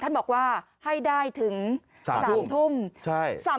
ท่านบอกว่าให้ได้ถึง๓ทุ่ม